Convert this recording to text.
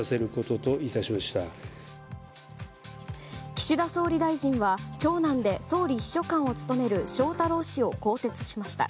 岸田総理大臣は長男で総理秘書官を務める翔太郎氏を更迭しました。